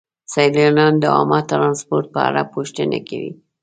سیلانیان د عامه ترانسپورت په اړه پوښتنې کوي.